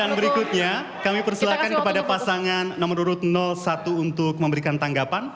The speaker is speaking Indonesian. dan berikutnya kami persilakan kepada pasangan nomor satu untuk memberikan tanggapan